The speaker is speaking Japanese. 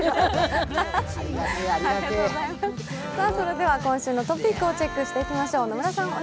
それでは、今週のトピックをチェックしていきましょう。